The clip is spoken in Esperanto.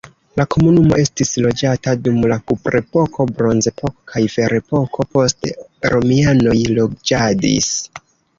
La komunumo estis loĝata dum la kuprepoko, bronzepoko kaj ferepoko, poste romianoj loĝadis.